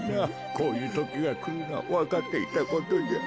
こういうときがくるのはわかっていたことじゃ。